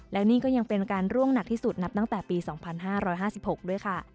แล้วนี่ก็ยังเป็นการร่วงหนักที่สุดนับตั้งแต่ปี๒๕๕๖ด้วยค่ะ